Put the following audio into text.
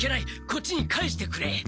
こっちに返してくれ。